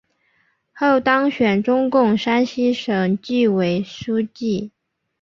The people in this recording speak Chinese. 后当选中共山西省纪委书记。